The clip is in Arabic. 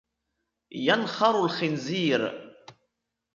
ينخر الخنزير.